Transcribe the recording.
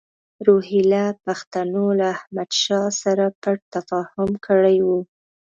روهیله پښتنو له احمدشاه سره پټ تفاهم کړی وو.